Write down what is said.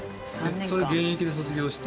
それ現役で卒業して？